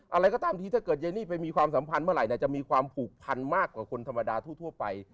อะไรก็ตามทีถ้าเกิดเฮนี่ไปมีความสัมพันธุมากกว่าคนธรรมดาทั่วไป